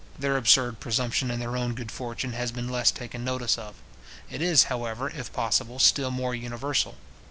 Their absurd presumption in their own good fortune has been less taken notice of. It is, however, if possible, still more universal.